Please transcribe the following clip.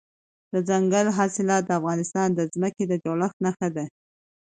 دځنګل حاصلات د افغانستان د ځمکې د جوړښت نښه ده.